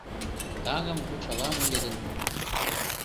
Таҥым кучалам ыле гын